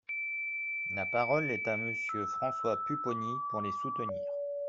La parole est à Monsieur François Pupponi, pour les soutenir.